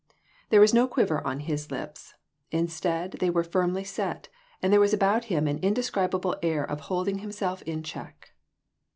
There was no quiver on his lips ; instead, they were firmly set, and there was about him an indescribable air of holding himself in check.